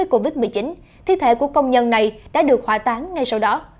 covid một mươi chín thi thể của công nhân này đã được hỏa tán ngay sau đó